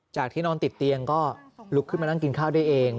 ที่นอนติดเตียงก็ลุกขึ้นมานั่งกินข้าวได้เอง